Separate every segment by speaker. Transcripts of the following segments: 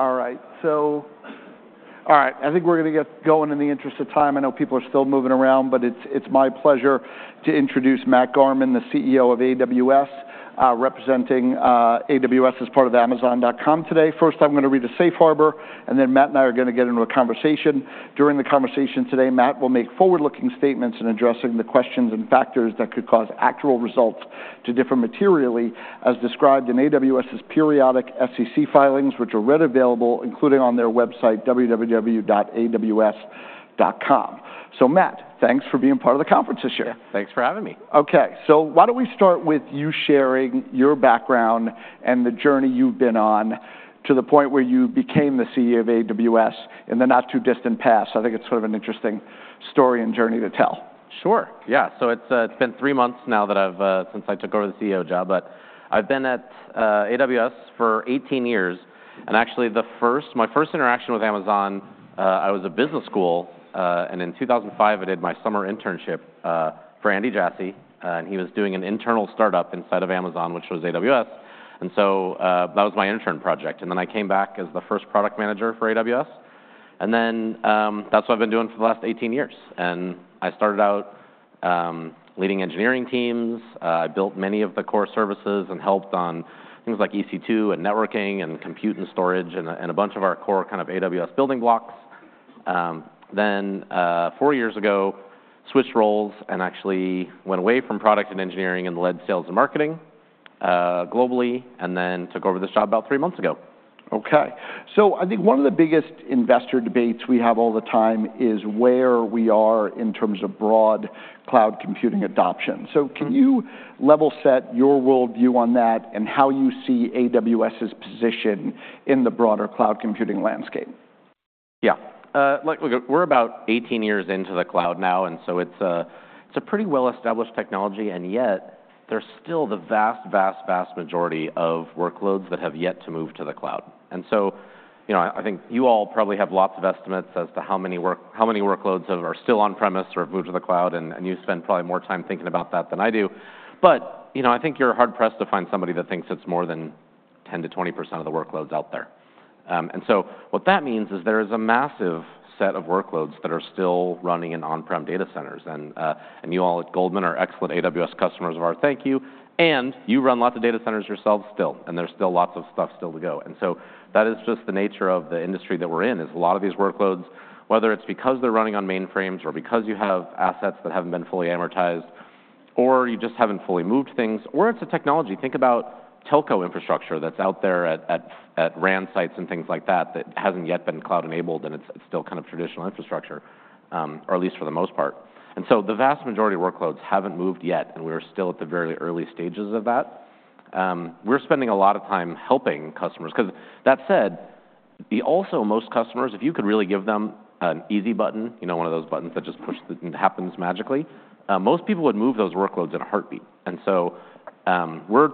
Speaker 1: All right, so, I think we're gonna get going in the interest of time. I know people are still moving around, but it's my pleasure to introduce Matt Garman, the CEO of AWS, representing AWS as part of Amazon.com today. First, I'm gonna read a safe harbor, and then Matt and I are gonna get into a conversation. During the conversation today, Matt will make forward-looking statements in addressing the questions and factors that could cause actual results to differ materially as described in AWS's periodic SEC filings, which are readily available, including on their website, www.aws.com. So, Matt, thanks for being part of the conference this year.
Speaker 2: Yeah, thanks for having me.
Speaker 1: Okay, so why don't we start with you sharing your background and the journey you've been on to the point where you became the CEO of AWS in the not-too-distant past? I think it's sort of an interesting story and journey to tell.
Speaker 2: Sure, yeah. So it's been three months now that I've since I took over the CEO job, but I've been at AWS for eighteen years, and actually, my first interaction with Amazon, I was at business school, and in 2005, I did my summer internship for Andy Jassy, and he was doing an internal startup inside of Amazon, which was AWS, and so, that was my intern project. And then I came back as the first product manager for AWS, and then, that's what I've been doing for the last eighteen years. And I started out leading engineering teams. I built many of the core services and helped on things like EC2 and networking and compute and storage and a bunch of our core kind of AWS building blocks. Then, four years ago, switched roles and actually went away from product and engineering and led sales and marketing, globally, and then took over this job about three months ago.
Speaker 1: Okay, so I think one of the biggest investor debates we have all the time is where we are in terms of broad cloud computing adoption.
Speaker 2: Mm-hmm.
Speaker 1: So can you level-set your worldview on that and how you see AWS's position in the broader cloud computing landscape?
Speaker 2: Yeah, look, look, we're about 18 years into the cloud now, and so it's a pretty well-established technology, and yet there's still the vast, vast, vast majority of workloads that have yet to move to the cloud. And so, you know, I think you all probably have lots of estimates as to how many workloads that are still on-premise or have moved to the cloud, and you spend probably more time thinking about that than I do. But, you know, I think you're hard-pressed to find somebody that thinks it's more than 10%-20% of the workloads out there. And so what that means is there is a massive set of workloads that are still running in on-prem data centers, and you all at Goldman are excellent AWS customers of ours, thank you, and you run lots of data centers yourselves still, and there's still lots of stuff to go. That is just the nature of the industry that we're in, a lot of these workloads, whether it's because they're running on mainframes or because you have assets that haven't been fully amortized, or you just haven't fully moved things, or it's the technology. Think about telco infrastructure that's out there at RAN sites and things like that, that hasn't yet been cloud-enabled, and it's still kind of traditional infrastructure, or at least for the most part. And so the vast majority of workloads haven't moved yet, and we're still at the very early stages of that. We're spending a lot of time helping customers 'cause, that said, most customers, if you could really give them an easy button, you know, one of those buttons that just push, and it happens magically, most people would move those workloads in a heartbeat. And so, we're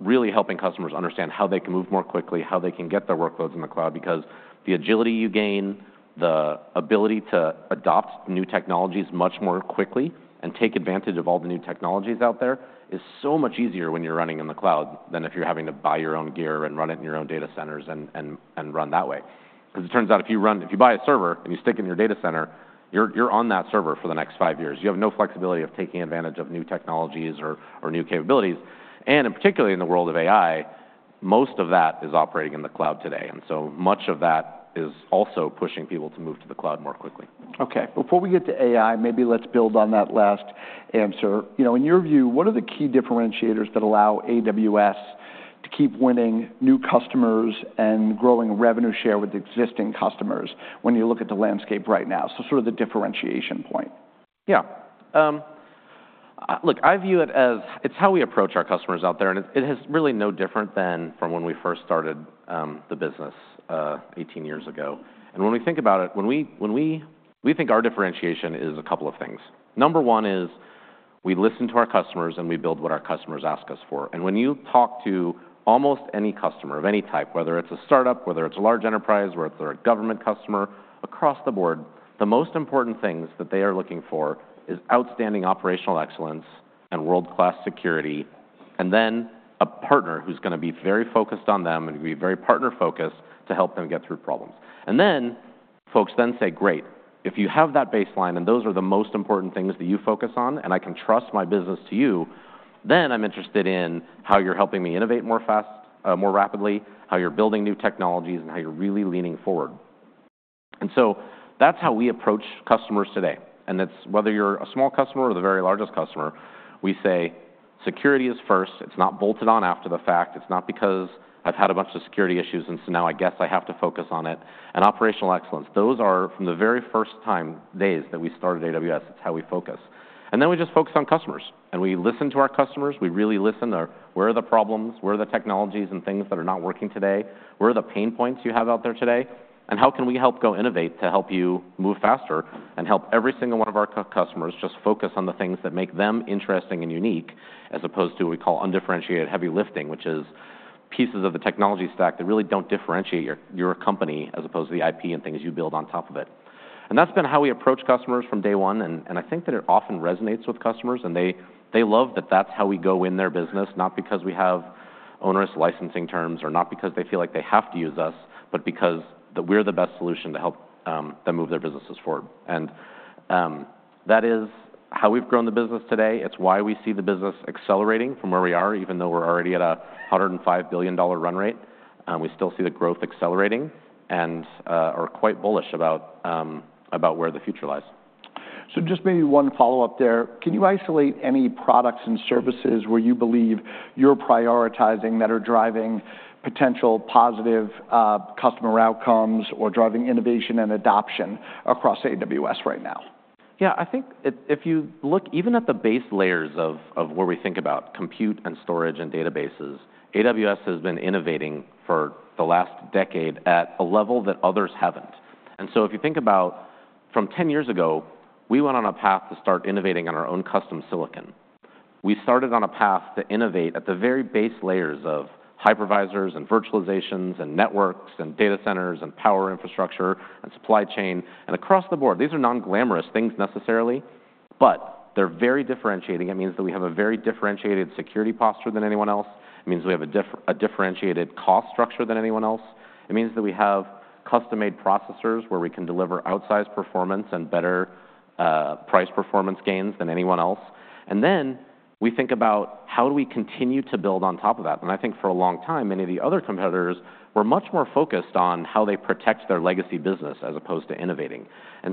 Speaker 2: really helping customers understand how they can move more quickly, how they can get their workloads in the cloud, because the agility you gain, the ability to adopt new technologies much more quickly and take advantage of all the new technologies out there, is so much easier when you're running in the cloud than if you're having to buy your own gear and run it in your own data centers and run that way. Cause it turns out, if you buy a server, and you stick it in your data center, you're on that server for the next five years. You have no flexibility of taking advantage of new technologies or new capabilities, and particularly in the world of AI, most of that is operating in the cloud today, and so much of that is also pushing people to move to the cloud more quickly.
Speaker 1: Okay, before we get to AI, maybe let's build on that last answer. You know, in your view, what are the key differentiators that allow AWS to keep winning new customers and growing revenue share with existing customers when you look at the landscape right now? So sort of the differentiation point.
Speaker 2: Yeah, look, I view it as it's how we approach our customers out there, and it is really no different than from when we first started the business eighteen years ago. And when we think about it, we think our differentiation is a couple of things. Number one is we listen to our customers, and we build what our customers ask us for. And when you talk to almost any customer of any type, whether it's a startup, whether it's a large enterprise, whether they're a government customer, across the board, the most important things that they are looking for is outstanding operational excellence and world-class security, and then a partner who's gonna be very focused on them and be very partner-focused to help them get through problems. And then, folks then say, "Great, if you have that baseline, and those are the most important things that you focus on, and I can trust my business to you, then I'm interested in how you're helping me innovate more fast, more rapidly, how you're building new technologies, and how you're really leaning forward." And so that's how we approach customers today, and it's whether you're a small customer or the very largest customer, we say, "Security is first. It's not bolted on after the fact. It's not because I've had a bunch of security issues, and so now I guess I have to focus on it, and operational excellence." Those are from the very first time, days, that we started AWS. It's how we focus. And then we just focus on customers, and we listen to our customers. We really listen to where are the problems, where are the technologies and things that are not working today, where are the pain points you have out there today, and how can we help go innovate to help you move faster and help every single one of our customers just focus on the things that make them interesting and unique, as opposed to what we call undifferentiated heavy lifting, which is pieces of the technology stack that really don't differentiate your company, as opposed to the IP and things you build on top of it?... That's been how we approach customers from day one, and I think that it often resonates with customers, and they love that that's how we go in their business, not because we have onerous licensing terms, or not because they feel like they have to use us, but because we're the best solution to help them move their businesses forward. That is how we've grown the business today. It's why we see the business accelerating from where we are, even though we're already at a $105 billion run rate, we still see the growth accelerating, and are quite bullish about where the future lies.
Speaker 1: So just maybe one follow-up there. Can you isolate any products and services where you believe you're prioritizing that are driving potential positive customer outcomes or driving innovation and adoption across AWS right now?
Speaker 2: Yeah, I think if you look even at the base layers of where we think about compute and storage and databases, AWS has been innovating for the last decade at a level that others haven't. And so if you think about from ten years ago, we went on a path to start innovating on our own custom silicon. We started on a path to innovate at the very base layers of hypervisors and virtualizations and networks and data centers and power infrastructure and supply chain, and across the board. These are non-glamorous things necessarily, but they're very differentiating. It means that we have a very differentiated security posture than anyone else. It means we have a differentiated cost structure than anyone else. It means that we have custom-made processors, where we can deliver outsized performance and better price performance gains than anyone else. Then we think about how do we continue to build on top of that. I think for a long time, many of the other competitors were much more focused on how they protect their legacy business as opposed to innovating.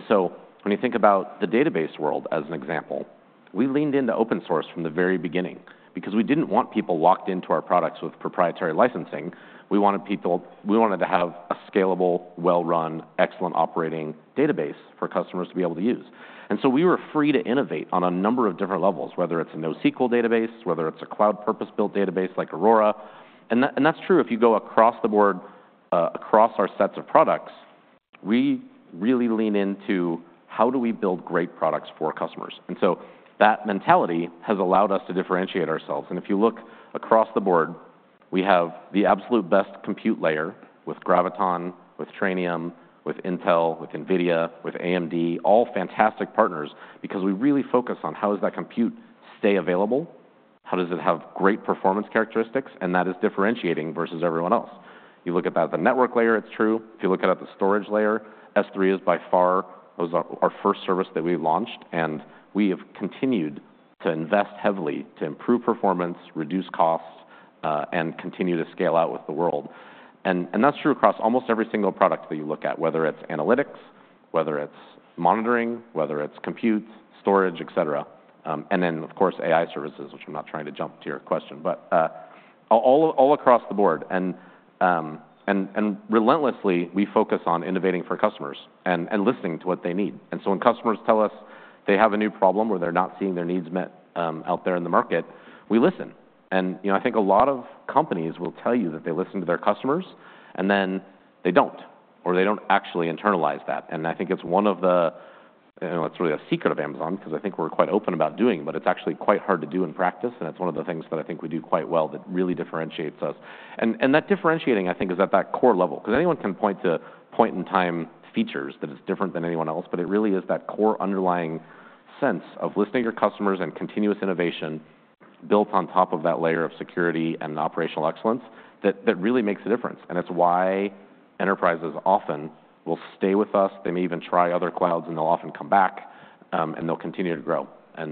Speaker 2: So when you think about the database world, as an example, we leaned into open source from the very beginning because we didn't want people locked into our products with proprietary licensing. We wanted people—we wanted to have a scalable, well-run, excellent operating database for customers to be able to use. So we were free to innovate on a number of different levels, whether it's a NoSQL database, whether it's a cloud purpose-built database like Aurora. And that, and that's true if you go across the board, across our sets of products. We really lean into how do we build great products for customers. That mentality has allowed us to differentiate ourselves, and if you look across the board, we have the absolute best compute layer with Graviton, with Trainium, with Intel, with NVIDIA, with AMD, all fantastic partners, because we really focus on: How does that compute stay available? How does it have great performance characteristics? And that is differentiating versus everyone else. You look at that at the network layer; it's true. If you look at it at the storage layer, S3 is by far the first service that we launched, and we have continued to invest heavily to improve performance, reduce costs, and continue to scale out with the world. And that's true across almost every single product that you look at, whether it's analytics, whether it's monitoring, whether it's compute, storage, et cetera. Of course, AI services, which I'm not trying to jump to your question, but all across the board, and relentlessly, we focus on innovating for customers and listening to what they need. So when customers tell us they have a new problem or they're not seeing their needs met, out there in the market, we listen. You know, I think a lot of companies will tell you that they listen to their customers, and then they don't, or they don't actually internalize that. I think it's one of the... I know it's really a secret of Amazon, cause I think we're quite open about doing, but it's actually quite hard to do in practice, and it's one of the things that I think we do quite well that really differentiates us. That differentiating, I think, is at that core level. Cause anyone can point to point-in-time features that is different than anyone else, but it really is that core underlying sense of listening to your customers and continuous innovation built on top of that layer of security and operational excellence that really makes a difference, and it's why enterprises often will stay with us. They may even try other clouds, and they'll often come back, and they'll continue to grow. I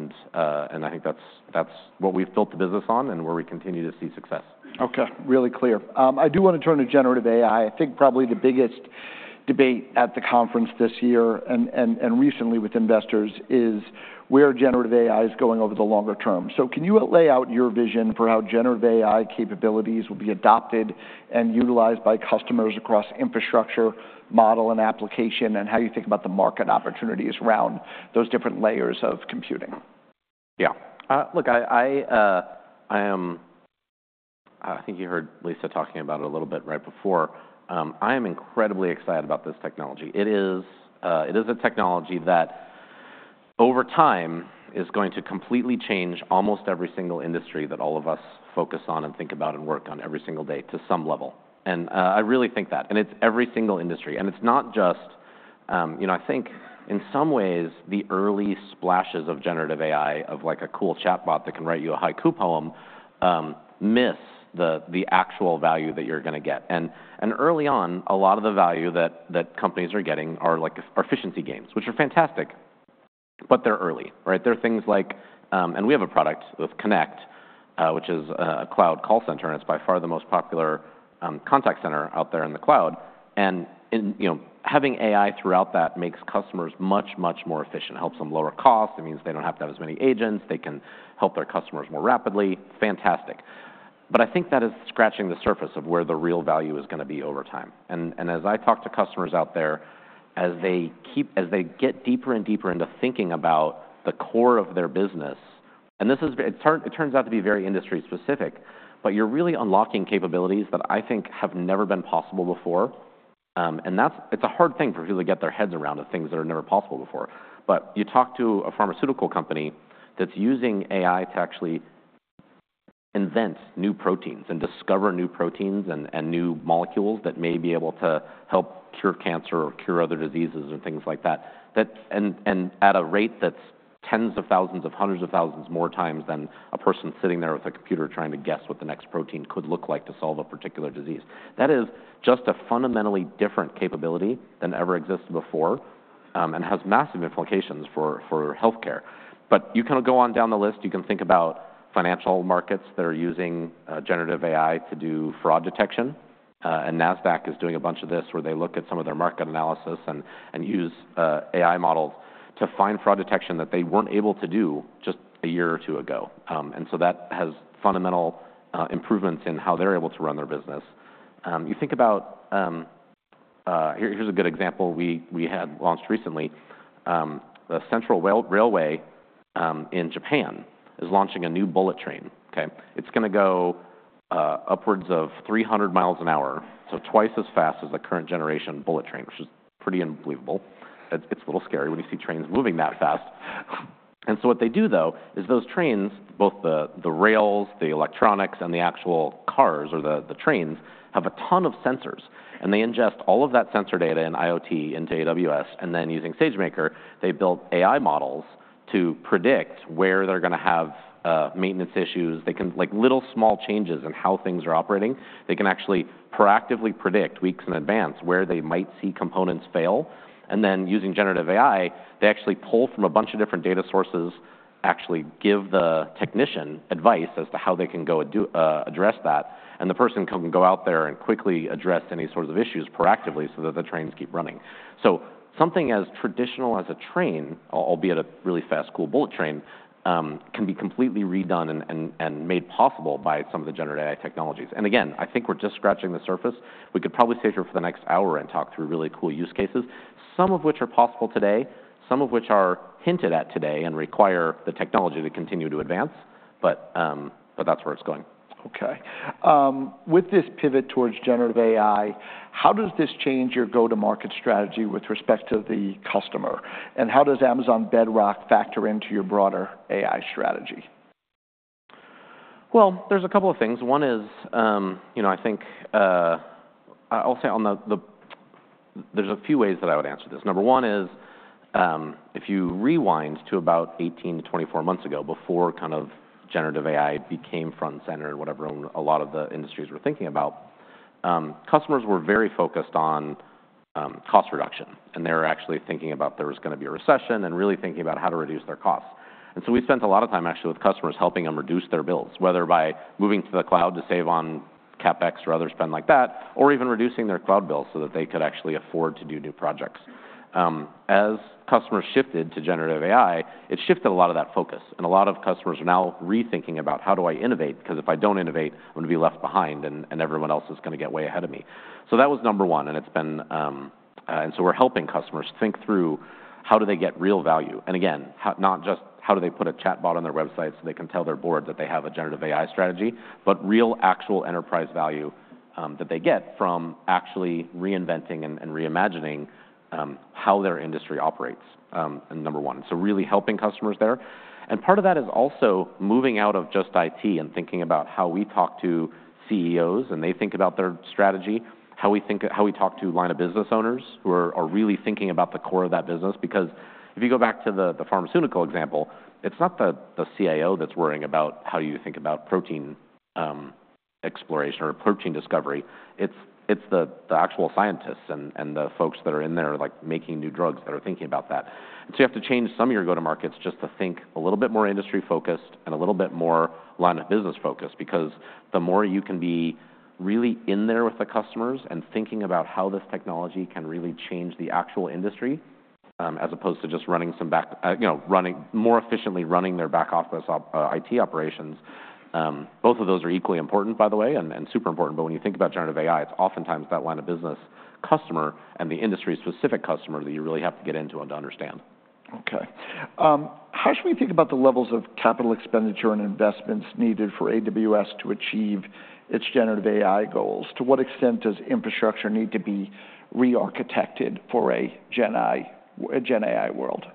Speaker 2: think that's, that's what we've built the business on and where we continue to see success.
Speaker 1: Okay, really clear. I do wanna turn to generative AI. I think probably the biggest debate at the conference this year and recently with investors is where generative AI is going over the longer term. So can you lay out your vision for how generative AI capabilities will be adopted and utilized by customers across infrastructure, model, and application, and how you think about the market opportunities around those different layers of computing?
Speaker 2: Yeah. Look, I am. I think you heard Lisa talking about it a little bit right before. I am incredibly excited about this technology. It is a technology that, over time, is going to completely change almost every single industry that all of us focus on and think about and work on every single day to some level, and I really think that. It's every single industry, and it's not just. You know, I think in some ways, the early splashes of generative AI, of, like, a cool chatbot that can write you a haiku poem, miss the actual value that you're gonna get. And early on, a lot of the value that companies are getting, like, efficiency gains, which are fantastic, but they're early, right? There are things like. And we have a product with Connect, which is a cloud call center, and it's by far the most popular contact center out there in the cloud, and you know, having AI throughout that makes customers much, much more efficient. It helps them lower cost. It means they don't have to have as many agents. They can help their customers more rapidly. Fantastic. But I think that is scratching the surface of where the real value is gonna be over time. And as I talk to customers out there, as they get deeper and deeper into thinking about the core of their business, and it turns out to be very industry specific, but you're really unlocking capabilities that I think have never been possible before. And that's it. It's a hard thing for people to get their heads around the things that are never possible before. But you talk to a pharmaceutical company that's using AI to actually invent new proteins and discover new proteins and new molecules that may be able to help cure cancer or cure other diseases and things like that. That and at a rate that's tens of thousands of hundreds of thousands more times than a person sitting there with a computer trying to guess what the next protein could look like to solve a particular disease. That is just a fundamentally different capability than ever existed before and has massive implications for healthcare. But you can go on down the list. You can think about financial markets that are using generative AI to do fraud detection. Nasdaq is doing a bunch of this, where they look at some of their market analysis and use AI models to find fraud detection that they weren't able to do just a year or two ago. So that has fundamental improvements in how they're able to run their business. You think about. Here's a good example we had launched recently. The Central Railway in Japan is launching a new bullet train, okay? It's gonna go upwards of 300 miles an hour, so twice as fast as the current generation bullet train, which is pretty unbelievable. It's a little scary when you see trains moving that fast. And so what they do, though, is those trains, both the rails, the electronics, and the actual cars or the trains, have a ton of sensors, and they ingest all of that sensor data and IoT into AWS, and then using SageMaker, they build AI models to predict where they're gonna have maintenance issues. They can like, little small changes in how things are operating, they can actually proactively predict weeks in advance where they might see components fail, and then using generative AI, they actually pull from a bunch of different data sources, actually give the technician advice as to how they can go do address that, and the person can go out there and quickly address any sorts of issues proactively so that the trains keep running. Something as traditional as a train, albeit a really fast, cool bullet train, can be completely redone and made possible by some of the generative AI technologies. Again, I think we're just scratching the surface. We could probably sit here for the next hour and talk through really cool use cases, some of which are possible today, some of which are hinted at today and require the technology to continue to advance, but that's where it's going.
Speaker 1: Okay. With this pivot towards generative AI, how does this change your go-to-market strategy with respect to the customer? And how does Amazon Bedrock factor into your broader AI strategy?
Speaker 2: Well, there's a couple of things. One is, you know, I think, I'll say on the. There's a few ways that I would answer this. Number one is, if you rewind to about eighteen to twenty-four months ago, before kind of generative AI became front and center, in a lot of the industries were thinking about, customers were very focused on, cost reduction, and they were actually thinking about there was gonna be a recession and really thinking about how to reduce their costs. And so we spent a lot of time actually with customers, helping them reduce their bills, whether by moving to the cloud to save on CapEx or other spend like that, or even reducing their cloud bills so that they could actually afford to do new projects. As customers shifted to generative AI, it shifted a lot of that focus, and a lot of customers are now rethinking about: How do I innovate? Because if I don't innovate, I'm gonna be left behind, and everyone else is gonna get way ahead of me. So that was number one, and it's been, and so we're helping customers think through how do they get real value, and again, not just how do they put a chatbot on their website so they can tell their board that they have a generative AI strategy, but real, actual enterprise value that they get from actually reinventing and reimagining how their industry operates, is number one. So really helping customers there. Part of that is also moving out of just IT and thinking about how we talk to CEOs, and they think about their strategy, how we think, how we talk to line of business owners who are really thinking about the core of that business. Because if you go back to the pharmaceutical example, it's not the CIO that's worrying about how you think about protein exploration or protein discovery, it's the actual scientists and the folks that are in there, like, making new drugs that are thinking about that. And so you have to change some of your go-to markets just to think a little bit more industry-focused and a little bit more line of business-focused, because the more you can be really in there with the customers and thinking about how this technology can really change the actual industry, as opposed to just running some back, you know, more efficiently running their back office op, IT operations. Both of those are equally important, by the way, and super important, but when you think about generative AI, it's oftentimes that line of business customer and the industry-specific customer that you really have to get into and to understand.
Speaker 1: Okay. How should we think about the levels of capital expenditure and investments needed for AWS to achieve its generative AI goals? To what extent does infrastructure need to be re-architected for a Gen AI world?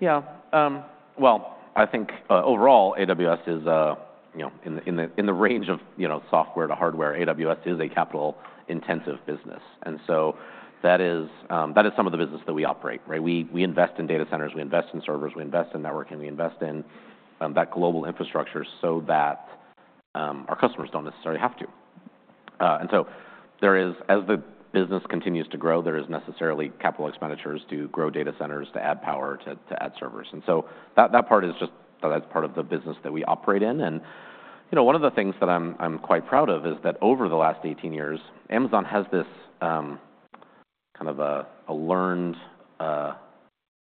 Speaker 2: Yeah. Well, I think, overall, AWS is, you know, in the range of, you know, software to hardware, AWS is a capital-intensive business, and so that is some of the business that we operate, right? We invest in data centers, we invest in servers, we invest in networking, we invest in that global infrastructure so that our customers don't necessarily have to. And so there is, as the business continues to grow, there is necessarily capital expenditures to grow data centers, to add power, to add servers, and so that part is just so that's part of the business that we operate in. You know, one of the things that I'm quite proud of is that over the last eighteen years, Amazon has this kind of a learned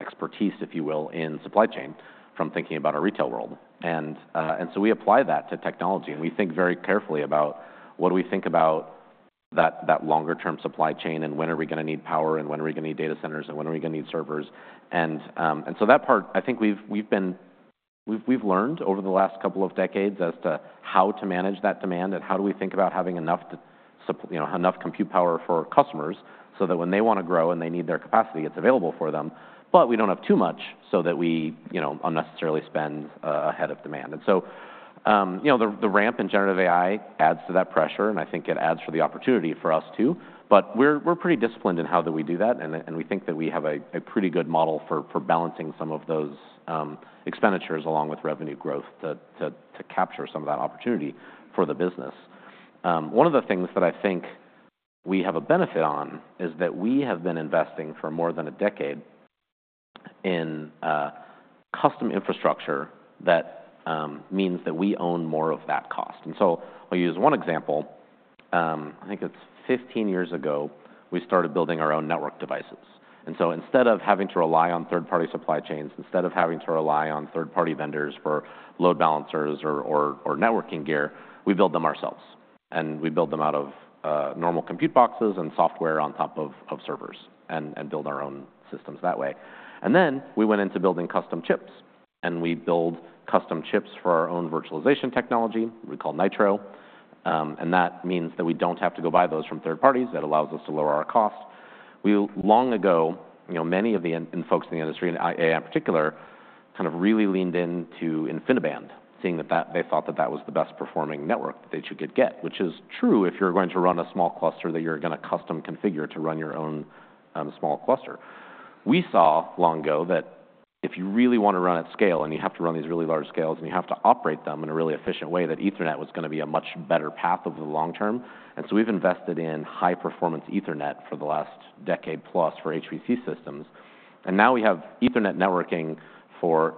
Speaker 2: expertise, if you will, in supply chain from thinking about our retail world. So we apply that to technology, and we think very carefully about what do we think about that longer-term supply chain, and when are we gonna need power, and when are we gonna need data centers, and when are we gonna need servers? And so that part, I think we've learned over the last couple of decades as to how to manage that demand and how we think about having enough, you know, enough compute power for customers, so that when they wanna grow and they need their capacity, it's available for them, but we don't have too much so that we, you know, unnecessarily spend ahead of demand. And so, you know, the ramp in generative AI adds to that pressure, and I think it adds to the opportunity for us, too. But we're pretty disciplined in how that we do that, and we think that we have a pretty good model for balancing some of those expenditures along with revenue growth to capture some of that opportunity for the business. One of the things that I think we have a benefit on is that we have been investing for more than a decade in custom infrastructure that means that we own more of that cost. And so I'll use one example. I think it's fifteen years ago, we started building our own network devices, and so instead of having to rely on third-party supply chains, instead of having to rely on third-party vendors for load balancers or networking gear, we build them ourselves, and we build them out of normal compute boxes and software on top of servers, and build our own systems that way. And then we went into building custom chips, and we build custom chips for our own virtualization technology we call Nitro, and that means that we don't have to go buy those from third parties. That allows us to lower our cost. We long ago, you know, many of the folks in the industry, and AI in particular, kind of really leaned into InfiniBand, seeing that they thought that was the best performing network that you could get, which is true if you're going to run a small cluster that you're gonna custom configure to run your own small cluster. We saw long ago that if you really wanna run at scale, and you have to run these really large scales, and you have to operate them in a really efficient way, that Ethernet was gonna be a much better path over the long term. And so we've invested in high-performance Ethernet for the last decade plus for HPC systems, and now we have Ethernet networking for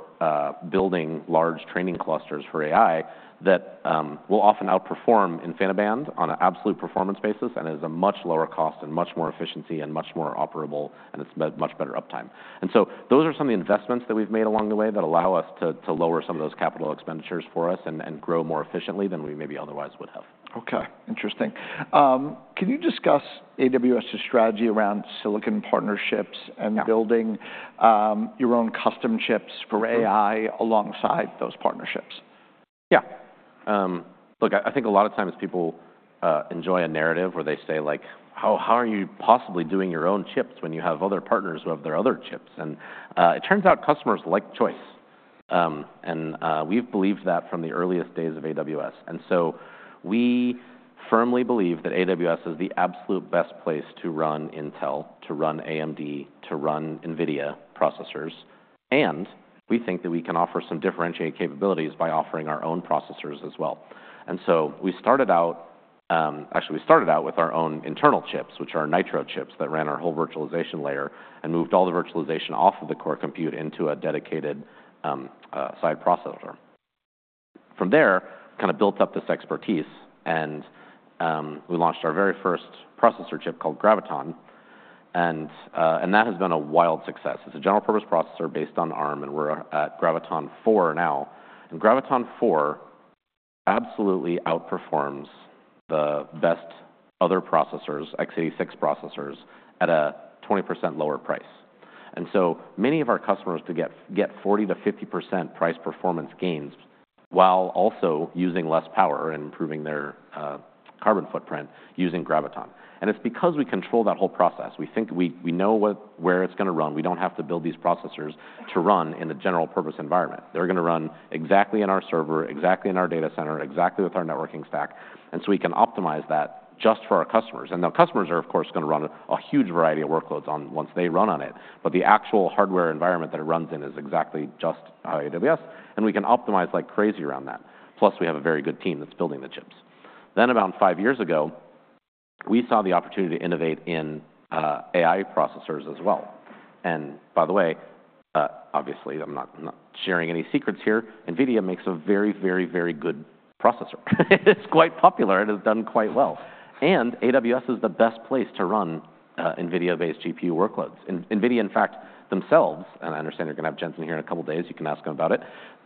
Speaker 2: building large training clusters for AI that will often outperform InfiniBand on an absolute performance basis and is a much lower cost, and much more efficiency, and much more operable, and it's much better uptime. And so those are some of the investments that we've made along the way that allow us to lower some of those capital expenditures for us and grow more efficiently than we maybe otherwise would have.
Speaker 1: Okay, interesting. Can you discuss AWS's strategy around silicon partnerships?
Speaker 2: Yeah...
Speaker 1: and building your own custom chips for AI-
Speaker 2: Mm-hmm
Speaker 1: alongside those partnerships?
Speaker 2: Yeah. Look, I think a lot of times people enjoy a narrative where they say, like: "How are you possibly doing your own chips when you have other partners who have their other chips?" And it turns out customers like choice, and we've believed that from the earliest days of AWS. And so we firmly believe that AWS is the absolute best place to run Intel, to run AMD, to run NVIDIA processors, and we think that we can offer some differentiated capabilities by offering our own processors as well. And so we actually started out with our own internal chips, which are Nitro chips that ran our whole virtualization layer and moved all the virtualization off of the core compute into a dedicated side processor. From there, kind of built up this expertise, and we launched our very first processor chip called Graviton, and that has been a wild success. It's a general purpose processor based on Arm, and we're at Graviton4 now, and Graviton4 absolutely outperforms the best other processors, x86 processors, at a 20% lower price. And so many of our customers could get 40%-50% price performance gains, while also using less power and improving their carbon footprint using Graviton. And it's because we control that whole process. We think we know what--where it's gonna run. We don't have to build these processors to run in a general purpose environment. They're gonna run exactly in our server, exactly in our data center, exactly with our networking stack, and so we can optimize that just for our customers. And now customers are, of course, gonna run a huge variety of workloads on once they run on it, but the actual hardware environment that it runs in is exactly just AWS, and we can optimize like crazy around that. Plus, we have a very good team that's building the chips. Then, about five years ago, we saw the opportunity to innovate in AI processors as well, and by the way, obviously I'm not sharing any secrets here. NVIDIA makes a very, very, very good processor. It's quite popular, and it has done quite well, and AWS is the best place to run NVIDIA-based GPU workloads. NVIDIA, in fact, themselves, and I understand you're gonna have Jensen here in a couple days. You can ask him about it.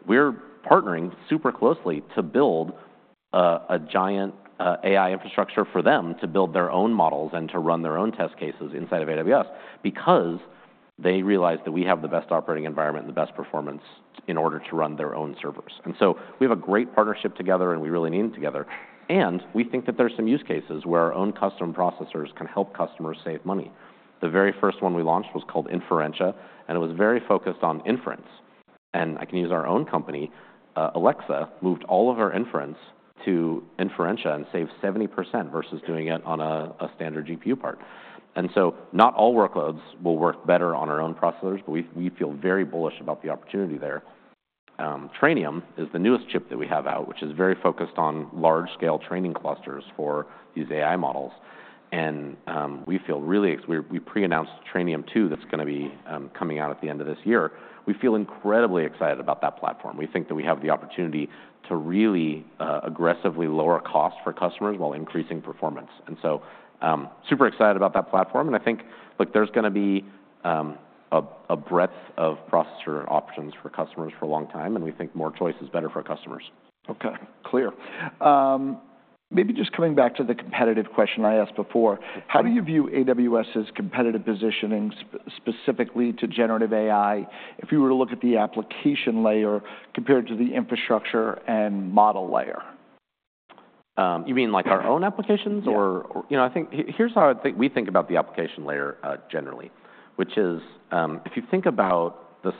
Speaker 2: We're partnering super closely to build a giant AI infrastructure for them to build their own models and to run their own test cases inside of AWS because they realize that we have the best operating environment and the best performance in order to run their own servers. We have a great partnership together, and we really lean in together, and we think that there's some use cases where our own custom processors can help customers save money. The very first one we launched was called Inferentia, and it was very focused on inference, and I can use our own company. Alexa moved all of our inference to Inferentia and saved 70% versus doing it on a standard GPU part. Not all workloads will work better on our own processors, but we feel very bullish about the opportunity there. Trainium is the newest chip that we have out, which is very focused on large-scale training clusters for these AI models, and we feel really. We pre-announced Trainium2 that's gonna be coming out at the end of this year. We feel incredibly excited about that platform. We think that we have the opportunity to really aggressively lower cost for customers while increasing performance, and so super excited about that platform, and I think, look, there's gonna be a breadth of processor options for customers for a long time, and we think more choice is better for customers.
Speaker 1: Okay, clear. Maybe just coming back to the competitive question I asked before, how do you view AWS's competitive positioning specifically to generative AI if you were to look at the application layer compared to the infrastructure and model layer?...
Speaker 2: you mean like our own applications or-
Speaker 1: Yeah.
Speaker 2: You know, I think, here's how I think we think about the application layer generally, which is, if you think about the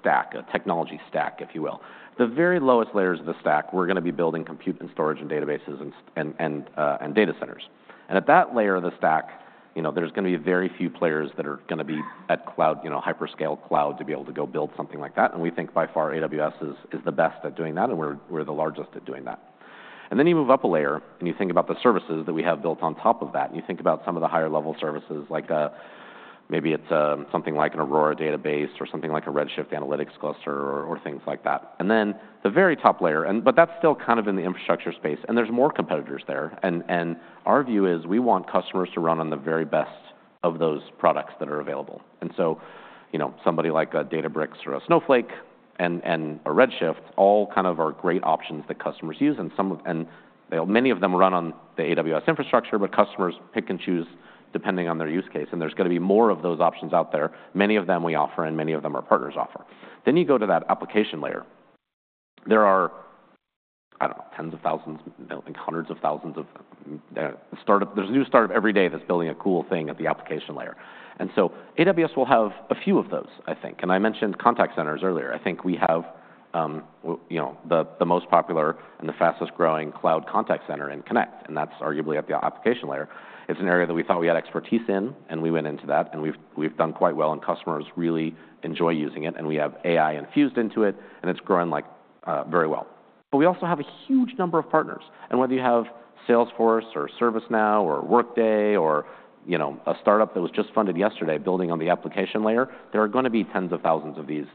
Speaker 2: stack, a technology stack, if you will, the very lowest layers of the stack, we're gonna be building compute and storage and databases and data centers. And at that layer of the stack, you know, there's gonna be very few players that are gonna be at cloud, you know, hyperscale cloud, to be able to go build something like that, and we think by far AWS is the best at doing that, and we're the largest at doing that. And then you move up a layer, and you think about the services that we have built on top of that, and you think about some of the higher level services like, maybe it's, something like an Aurora database or something like a Redshift analytics cluster or things like that. And then the very top layer, and but that's still kind of in the infrastructure space, and there's more competitors there. And our view is we want customers to run on the very best of those products that are available. And so, you know, somebody like a Databricks or a Snowflake and a Redshift all kind of are great options that customers use, and some of... Many of them run on the AWS infrastructure, but customers pick and choose depending on their use case, and there's gonna be more of those options out there. Many of them we offer, and many of them our partners offer. Then you go to that application layer. There are, I don't know, tens of thousands, I think hundreds of thousands of startups. There's a new startup every day that's building a cool thing at the application layer. And so AWS will have a few of those, I think, and I mentioned contact centers earlier. I think we have, you know, the most popular and the fastest growing cloud contact center in Connect, and that's arguably at the application layer. It's an area that we thought we had expertise in, and we went into that, and we've done quite well, and customers really enjoy using it, and we have AI infused into it, and it's grown, like, very well. But we also have a huge number of partners, and whether you have Salesforce or ServiceNow or Workday or, you know, a startup that was just funded yesterday building on the application layer, there are gonna be tens of thousands of these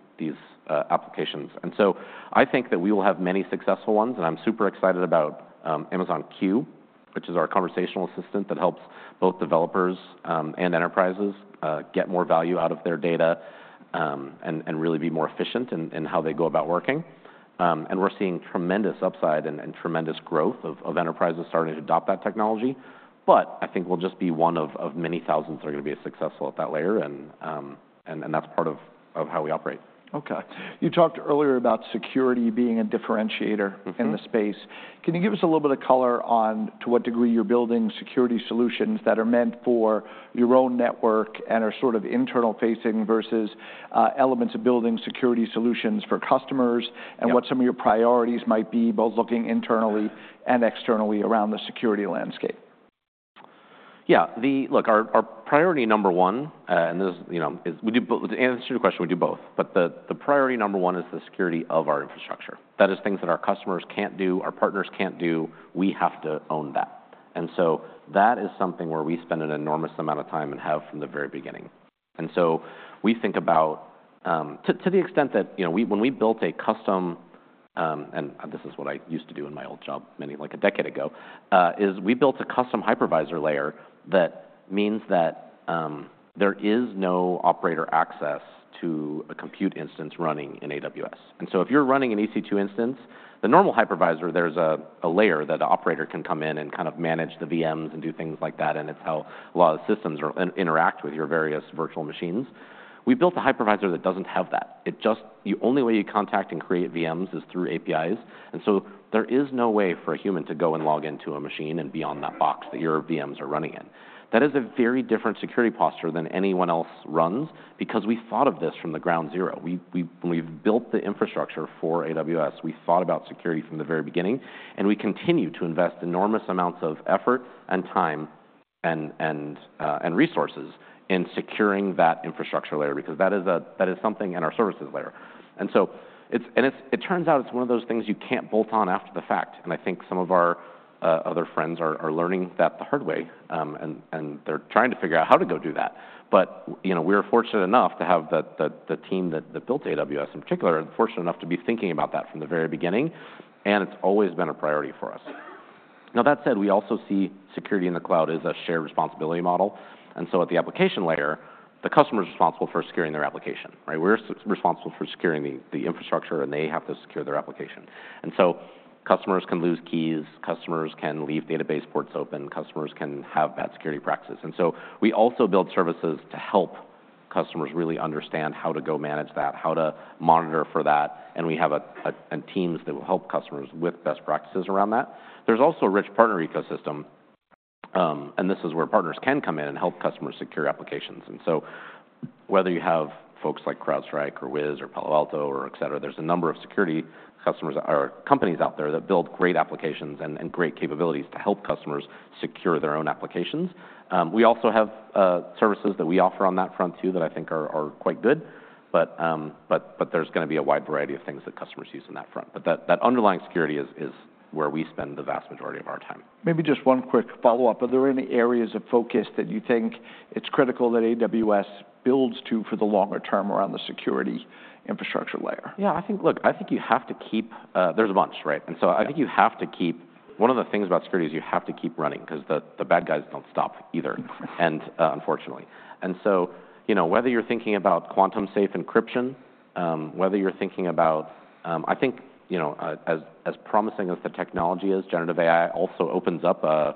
Speaker 2: applications. And so I think that we will have many successful ones, and I'm super excited about Amazon Q, which is our conversational assistant that helps both developers and enterprises get more value out of their data, and really be more efficient in how they go about working. We're seeing tremendous upside and tremendous growth of enterprises starting to adopt that technology. But I think we'll just be one of many thousands that are gonna be as successful at that layer, and that's part of how we operate.
Speaker 1: Okay. You talked earlier about security being a differentiator-
Speaker 2: Mm-hmm...
Speaker 1: in the space. Can you give us a little bit of color on to what degree you're building security solutions that are meant for your own network and are sort of internal facing versus, elements of building security solutions for customers?
Speaker 2: Yeah...
Speaker 1: and what some of your priorities might be, both looking internally and externally around the security landscape?
Speaker 2: Yeah. Look, our priority number one, and this is, you know, to answer your question, we do both, but the priority number one is the security of our infrastructure. That is things that our customers can't do, our partners can't do, we have to own that. And so that is something where we spend an enormous amount of time and have from the very beginning. And so we think about. To the extent that, you know, when we built a custom, and this is what I used to do in my old job many, like, a decade ago, is we built a custom hypervisor layer that means that there is no operator access to a compute instance running in AWS. If you're running an EC2 instance, the normal hypervisor, there's a layer that the operator can come in and kind of manage the VMs and do things like that, and it's how a lot of the systems are interacting with your various virtual machines. We built a hypervisor that doesn't have that. It's just the only way you contact and create VMs is through APIs, and so there is no way for a human to go and log into a machine and be on that box that your VMs are running in. That is a very different security posture than anyone else runs because we thought of this from the ground up. When we've built the infrastructure for AWS, we thought about security from the very beginning, and we continue to invest enormous amounts of effort and time and resources in securing that infrastructure layer because that is something in our services layer, and so it turns out it's one of those things you can't bolt on after the fact, and I think some of our other friends are learning that the hard way, and they're trying to figure out how to go do that, but you know, we're fortunate enough to have the team that built AWS in particular, and fortunate enough to be thinking about that from the very beginning, and it's always been a priority for us. Now, that said, we also see security in the cloud as a shared responsibility model, and so at the application layer, the customer's responsible for securing their application, right? We're responsible for securing the infrastructure, and they have to secure their application, and so customers can lose keys, customers can leave database ports open, customers can have bad security practices, and so we also build services to help customers really understand how to go manage that, how to monitor for that, and we have teams that will help customers with best practices around that. There's also a rich partner ecosystem, and this is where partners can come in and help customers secure applications. And so whether you have folks like CrowdStrike or Wiz or Palo Alto or et cetera, there's a number of security customers or companies out there that build great applications and great capabilities to help customers secure their own applications. We also have services that we offer on that front too, that I think are quite good, but there's gonna be a wide variety of things that customers use on that front. But that underlying security is where we spend the vast majority of our time.
Speaker 1: Maybe just one quick follow-up. Are there any areas of focus that you think it's critical that AWS builds to for the longer term around the security infrastructure layer?
Speaker 2: Yeah, I think... Look, I think you have to keep, there's a bunch, right? And so I think you have to keep one of the things about security is you have to keep running cause the bad guys don't stop either, and unfortunately. And so, you know, whether you're thinking about quantum safe encryption, whether you're thinking about. I think, you know, as promising as the technology is, generative AI also opens up a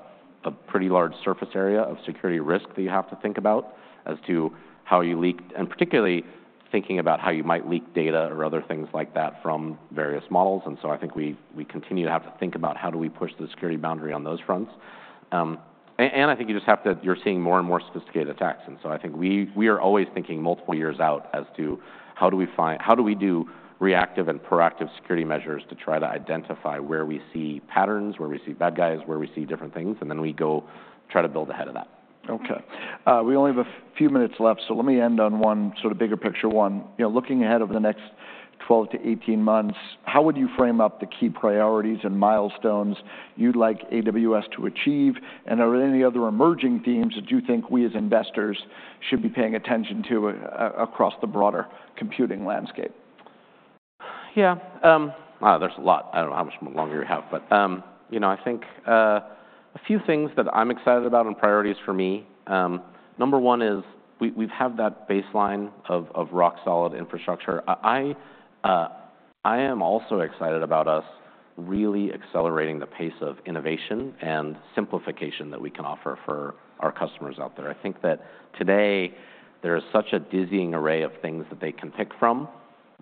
Speaker 2: pretty large surface area of security risk that you have to think about as to how you leak, and particularly thinking about how you might leak data or other things like that from various models. And so I think we continue to have to think about how we push the security boundary on those fronts. I think you just have to. You're seeing more and more sophisticated attacks, and so I think we are always thinking multiple years out as to how we do reactive and proactive security measures to try to identify where we see patterns, where we see bad guys, where we see different things, and then we go try to build ahead of that.
Speaker 1: Okay. We only have a few minutes left, so let me end on one sort of bigger picture one. You know, looking ahead over the next 12 to 18 months, how would you frame up the key priorities and milestones you'd like AWS to achieve? And are there any other emerging themes that you think we, as investors, should be paying attention to across the broader computing landscape?
Speaker 2: Yeah, there's a lot. I don't know how much more longer we have, but, you know, I think a few things that I'm excited about and priorities for me. Number one is we've had that baseline of rock solid infrastructure. I am also excited about us really accelerating the pace of innovation and simplification that we can offer for our customers out there. I think that today there is such a dizzying array of things that they can pick from,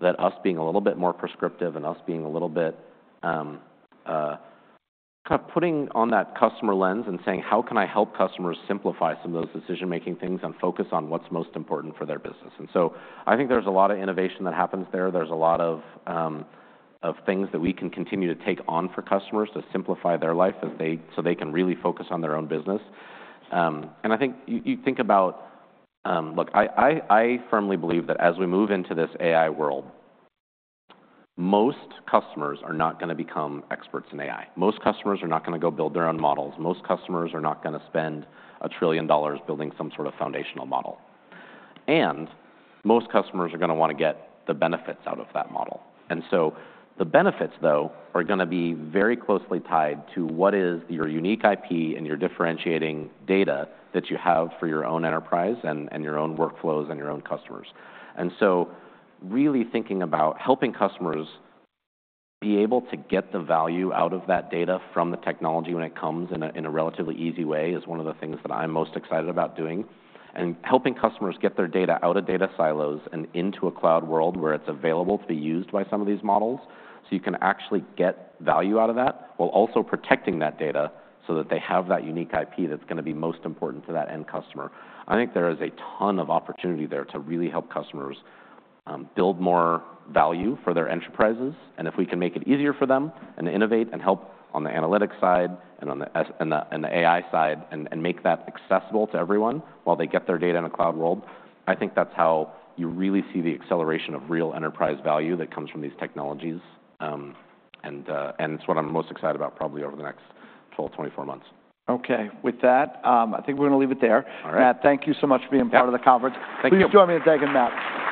Speaker 2: that us being a little bit more prescriptive and us being a little bit kind of putting on that customer lens and saying: How can I help customers simplify some of those decision-making things and focus on what's most important for their business? And so I think there's a lot of innovation that happens there. There's a lot of things that we can continue to take on for customers to simplify their life, so they can really focus on their own business, and I think you think about... Look, I firmly believe that as we move into this AI world, most customers are not gonna become experts in AI. Most customers are not gonna go build their own models. Most customers are not gonna spend a trillion dollars building some sort of foundational model, and most customers are gonna wanna get the benefits out of that model, and so the benefits, though, are gonna be very closely tied to what is your unique IP and your differentiating data that you have for your own enterprise, and your own workflows, and your own customers. Really thinking about helping customers be able to get the value out of that data from the technology when it comes in a relatively easy way is one of the things that I'm most excited about doing. Helping customers get their data out of data silos and into a cloud world, where it's available to be used by some of these models. You can actually get value out of that, while also protecting that data, so that they have that unique IP that's gonna be most important to that end customer. I think there is a ton of opportunity there to really help customers build more value for their enterprises, and if we can make it easier for them, and innovate, and help on the analytics side, and the AI side, and make that accessible to everyone while they get their data in a cloud world, I think that's how you really see the acceleration of real enterprise value that comes from these technologies, and it's what I'm most excited about, probably over the next 12 to 24 months.
Speaker 1: Okay. With that, I think we're gonna leave it there.
Speaker 2: All right.
Speaker 1: Matt, thank you so much for being part of the conference.
Speaker 2: Thank you.
Speaker 1: Please join me in thanking Matt.